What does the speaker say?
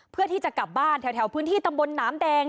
เพื่อที่จะกลับบ้านแถวพื้นที่ตำบลหนามแดง